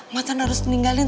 matan harus meninggalin